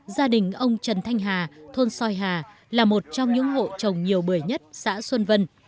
gia đình ông trần thanh hà thôn soi hà là một trong những hộ trồng nhiều bưởi nhất xã xuân vân